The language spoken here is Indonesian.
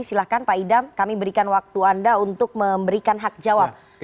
silahkan pak idam kami memberikan waktu anda untuk memberikan hak jawab atas pernyataan tadi